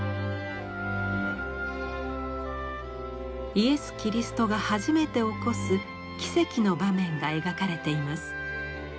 イエス・キリストが初めて起こす奇跡の場面が描かれています。